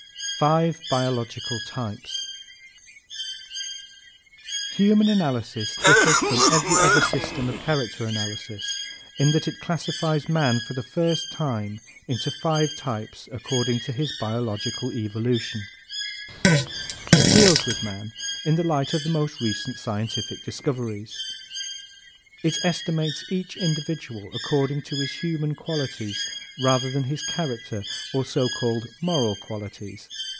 Five Biological Types ¶ _Human Analysis differs from every other system of character analysis in that it classifies man, for the first time, into five types according to his biological evolution._ ¶ It deals with man in the light of the most recent scientific discoveries. It estimates each individual according to his "human" qualities rather than his "character" or so called "moral" qualities.